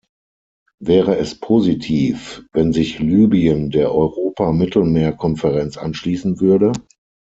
Wäre es positiv, wenn sich Libyen der Europa-Mittelmeer-Konferenz anschließen würde?